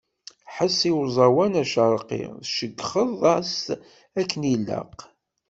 Ḥess i uẓawan acerqi tceyyxeḍ-as akken ilaq.